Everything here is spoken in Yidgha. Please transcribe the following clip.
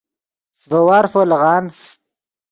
ڤے وارفو لیغان